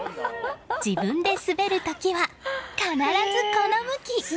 自分で滑る時は必ずこの向き。